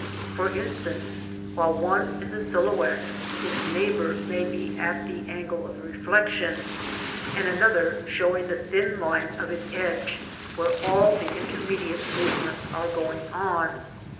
For instance, while one is a silhouette, its neighbour may be at the angle of reflection, and another showing the thin line of its edge where all the intermediate movements are going on.